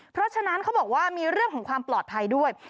เพราะฉะนั้นเขาบอกว่ามีเรื่องของความปลอดภัยด้วย